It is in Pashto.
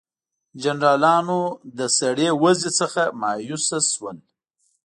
جنرالانو له سړې وضع څخه مایوس شول.